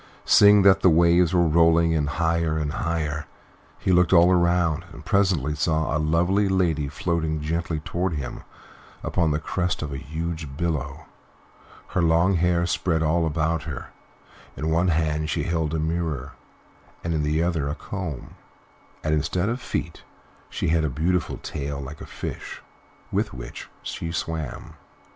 Seeing that the waves were rolling in higher than ever, he looked all round, and presently saw a lovely lady floating gently toward him upon the crest of a huge billow, her long hair spread all about her; in one hand she held a mirror, and in the other a comb, and instead of feet she had a beautiful tail like a fish, with which she swam.